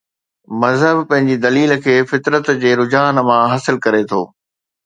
مذهب پنهنجي دليل کي فطرت جي رجحان مان حاصل ڪري ٿو.